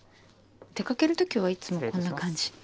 出かけるときはいつもこんな感じ。